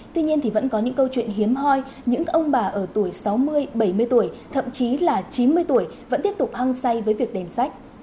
tuy nhiên thì vẫn có những câu chuyện hiếm hoi những ông bà ở tuổi sáu mươi bảy mươi tuổi thậm chí là chín mươi tuổi vẫn tiếp tục hăng say với việc đèn sách